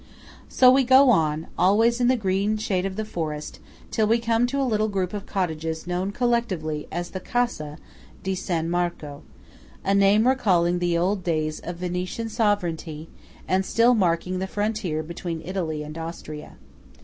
So we go on, always in the green shade of the forest, till we come to a little group of cottages known collectively as the Casa di San Marco; a name recalling the old days of Venetian sovereignty, and still marking the frontier between Italy and Austria.